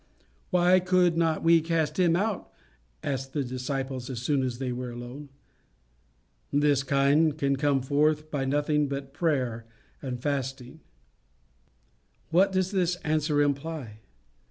"Why could not we cast him out?" asked his disciples as soon as they were alone. "This kind can come forth by nothing but by prayer and fasting." What does this answer imply?